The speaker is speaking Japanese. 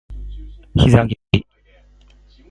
膝蹴り